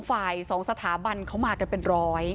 ฝ่ายสองสถาบันเขามากันเป็นร้อย